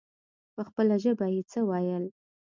په خپله ژبه يې څه ويل.